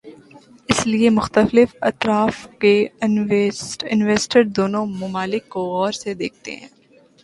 اس لیے مختلف اطراف کے انویسٹر دونوں ممالک کو غور سے دیکھتے ہیں۔